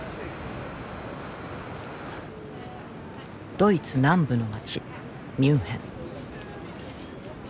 ドイツ南部の街ミュンヘン。